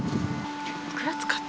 いくら使った？